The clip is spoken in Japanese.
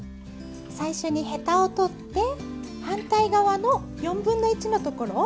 最初にヘタを取って反対側の４分の１のところをカットします。